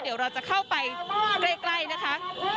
เดี๋ยวเราจะเข้าไปใกล้นะคะ